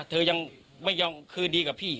เธอยังไม่ยอมคืนดีกับพี่